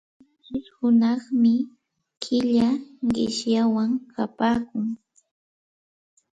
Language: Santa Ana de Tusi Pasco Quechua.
Qanchish hunaqmi killa qishyaywan kapaakun.